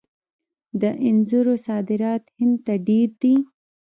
د انځرو صادرات هند ته ډیر دي.